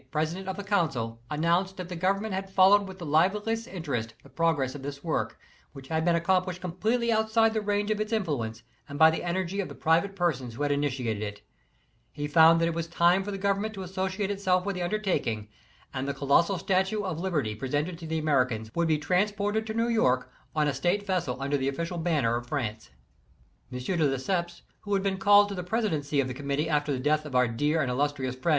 3¬´ President of the Council, announced that the Government had followed with the liveliest interest the progress of this work, which had been accomplished completely outside the range of its influence and by the energy of the private persons who had initiated it He found that it was time for the Government to associate itself with the undertaking, and the colossal Statue of Liberty presented to the Amer icans would be transported to New York on a State / vessel under the official banner of France. M* de Lesseps, who had been called to the presidency of the Committee after the death of our dear and illustri ous friend, M.